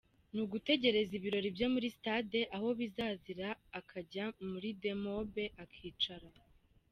N’ugutegereza ibirori byo muri stade aho bizazira akajya muri demob akicara.